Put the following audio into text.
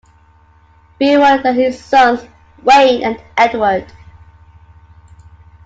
Brewer, then his sons, Wayne and Edward.